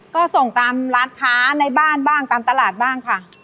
ก็ส่งตามร้านค้าในบ้านบ้างตามตลาดบ้างค่ะ